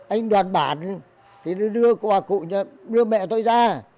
anh đoàn bản thì đưa mẹ tôi ra